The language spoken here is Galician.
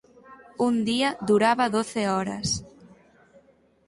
Un "día" duraba doce horas.